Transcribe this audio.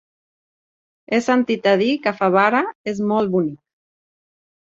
He sentit a dir que Favara és molt bonic.